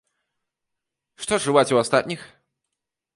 Што чуваць у астатніх?